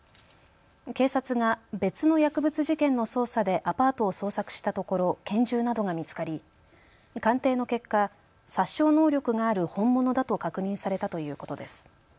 警察が別の薬物事件の捜査でアパートを捜索したところ拳銃などが見つかり鑑定の結果、殺傷能力がある本物だと確認されたということです。